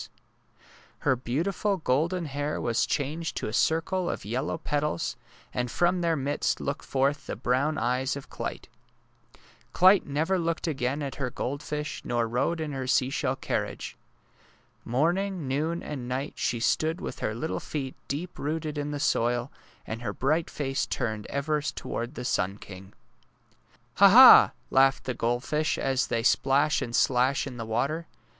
206 DAISY AND SUNFLOWER Her beautiful golden hair was changed to a circle of yellow petals, and from their midst looked forth the brown eyes of Clyte. Clyte never again looked at her goldfish nor rode in her seashell carriage. Morning, noon, and night she stood with her little feet deep rooted in the soil, and her bright face turned ever toward the sun king. ^' Ha! Ha! '' laugh the goldfish, as they splash and slash in the water.